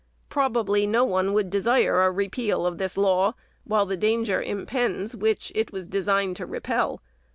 Probably, no one would de sire a repeal of this law while the danger impends which it was designed to repel.